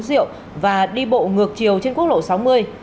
rượu và đi bộ ngược chiều trên quốc lộ sáu mươi